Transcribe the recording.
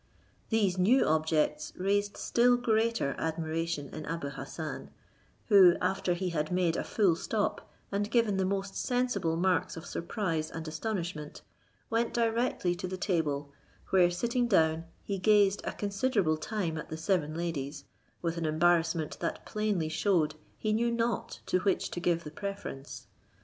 These new objects raised still greater admiration in Abou Hassan; who, after he had made a full stop, and given the most sensible marks of surprise and astonishment, went directly to the table, where sitting down, he gazed a considerable time at the seven ladies, with an embarrassment that plainly shewed he knew not to which to give the preference.